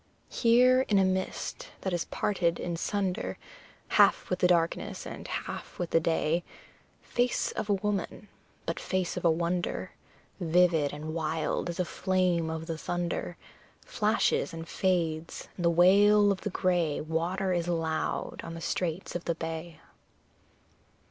Here in a mist that is parted in sunder, Half with the darkness and half with the day; Face of a woman, but face of a wonder, Vivid and wild as a flame of the thunder, Flashes and fades, and the wail of the grey Water is loud on the straits of the bay!